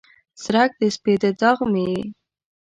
څرک د سپیده داغ مې یې